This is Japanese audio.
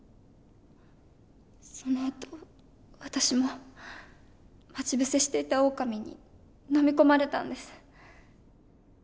そのあと私も待ち伏せしていたオオカミに呑み込まれたんです。